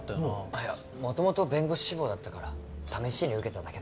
いやもともと弁護士志望だったから試しに受けただけだよ。